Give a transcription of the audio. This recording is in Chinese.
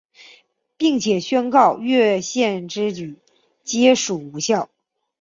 并且宣告越线之举皆属无效。